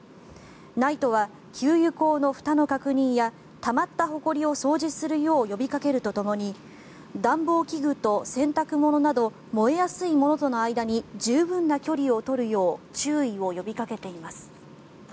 ＮＩＴＥは給油口のふたの確認やたまったほこりを掃除するよう呼びかけるとともに暖房器具と洗濯物など燃えやすいものとの間に十分な距離を取るよう注意を呼びかけています。